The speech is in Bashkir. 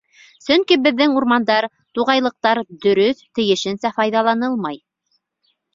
Сөнки беҙҙең урмандар, туғайлыҡтар дөрөҫ, тейешенсә файҙаланылмай.